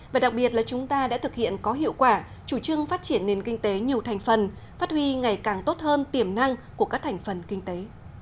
và đặc biệt là chúng ta đã thực hiện có hiệu quả chủ trương phát triển nền kinh tế nhiều thành phần phát huy ngày càng tốt hơn tiềm năng của các thành phần kinh tế